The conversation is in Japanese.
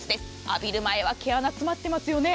浴びる前は毛穴、詰まってますよね。